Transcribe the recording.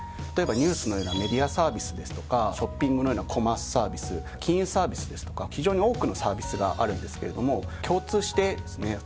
例えばニュースのようなメディアサービスですとかショッピングのようなコマースサービス金融サービスですとか非常に多くのサービスがあるんですけれども共通してですね